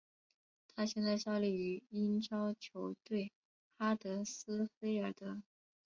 他现在效力于英超球队哈德斯菲尔德。